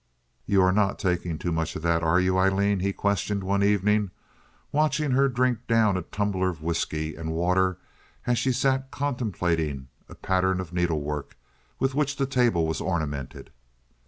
"You're not taking too much of that, are you, Aileen?" he questioned one evening, watching her drink down a tumbler of whisky and water as she sat contemplating a pattern of needlework with which the table was ornamented.